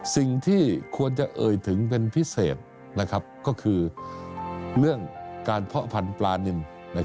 สิ่งที่ควรจะเอ่ยถึงเป็นพิเศษก็คือเรื่องการเพาะพันธุ์ปลานิน